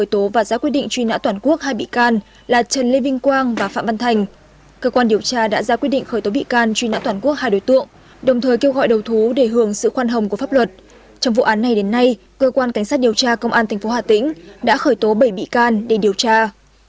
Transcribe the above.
cơ quan cảnh sát điều tra công an tp hà tĩnh đã khởi tố bảy bị can để điều tra